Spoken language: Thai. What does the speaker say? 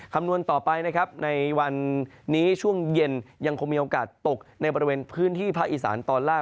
คำนวณต่อไปนะครับในวันนี้ช่วงเย็นยังคงมีโอกาสตกในบริเวณพื้นที่ภาคอีสานตอนล่าง